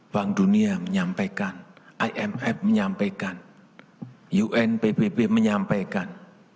bank dunia menyampaikan imf menyampaikan unpb menyampaikan